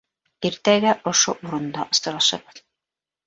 Иртәгә ошо урында осрашырбыҙ.